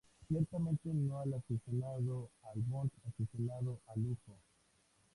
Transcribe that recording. Ciertamente no al aficionado al Bond aficionado al lujo.